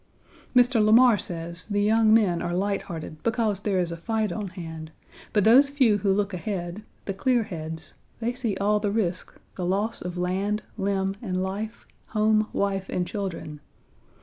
Mr. Lamar says, the young men are light hearted because there is a fight on hand, but those few who look ahead, the clear heads, they see all the risk, the loss of land, limb, and life, home, wife, and children.